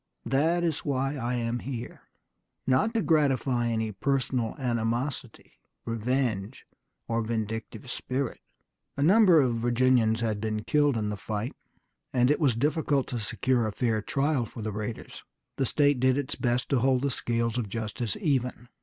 That is why I am here; not to gratify any personal animosity, revenge, or vindictive spirit." A number of Virginians had been killed in the fight, and it was difficult to secure a fair trial for the raiders. The state did its best to hold the scales of justice even.